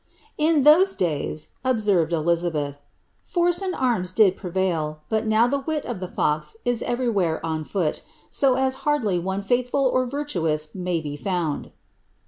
" In (hose days," observed Elizabeth, " force and arms did prevail, but now the wil of the fox is everywhere on fool, so as hardly one faithful or virtuous may be found."